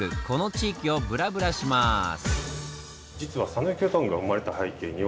この地域をブラブラします。